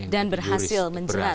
dan berhasil menjelat